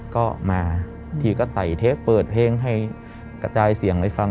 ก็มาทีก็ใส่เทปเปิดเพลงให้กระจายเสียงไปฟัง